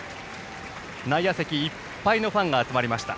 内野席いっぱいのファンが集まりました。